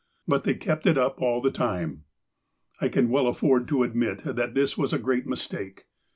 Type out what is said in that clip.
But they kept it up all the time. I can well afford to admit that this was a great mistake.